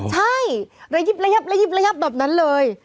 ใช่ระยิบระยับระยิบระยับแบบนั้นเลย